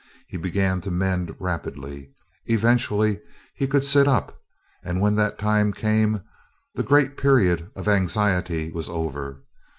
He began to mend rapidly. Eventually he could sit up, and, when that time came, the great period of anxiety was over.